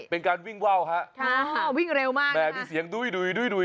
เป็นการวิ่งเว้าฮะใช่วิ่งเร็วมากนะครับแหมมีเสียงดุ้ยดุ้ยดุ้ยดุ้ย